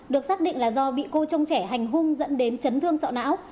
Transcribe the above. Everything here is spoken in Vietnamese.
được xác định là do bị cô trong trẻ hành hung dẫn đến chấn thương sọ não